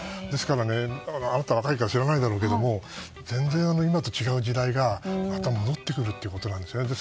ですから、あなた若いから知らないだろうけども全然今と違う時代がまた戻ってくるということなんですね。